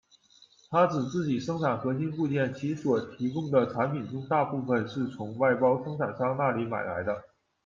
它只自己生产核心部件，其所提供的产品中大部分是从外包生产商那里买来的。